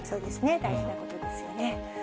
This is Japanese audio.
大事なことですよね。